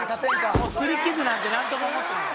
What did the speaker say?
「もう擦り傷なんてなんとも思ってない」